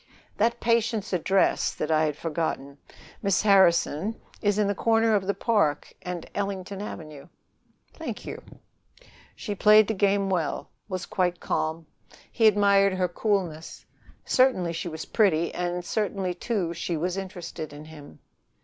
"That patient's address that I had forgotten, Miss Harrison, is the corner of the Park and Ellington Avenue." "Thank you." She played the game well, was quite calm. He admired her coolness. Certainly she was pretty, and certainly, too, she was interested in him.